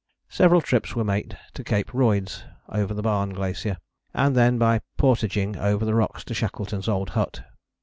" Several trips were made to Cape Royds over the Barne Glacier, and then by portaging over the rocks to Shackleton's old hut.